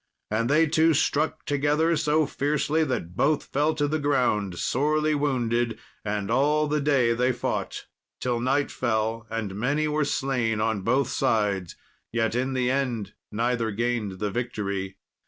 And they two struck together so fiercely that both fell to the ground sorely wounded; and all the day they fought till night fell, and many were slain on both sides, yet in the end neither gained the victory.